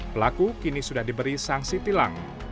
pelaku kini sudah diberi sanksi tilang